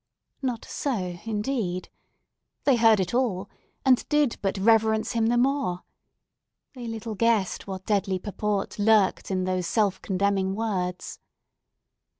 Not so, indeed! They heard it all, and did but reverence him the more. They little guessed what deadly purport lurked in those self condemning words.